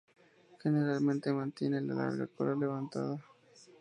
Generalmente mantiene la larga cola levantada.